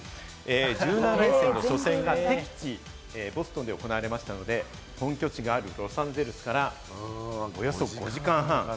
１７連戦の初戦は敵地・ボストンで行われましたので、本拠地があるロサンゼルスからおよそ５時間半。